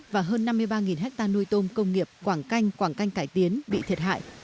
và hơn năm mươi ba hectare nuôi tôm công nghiệp quảng canh quảng canh cải tiến bị thiệt hại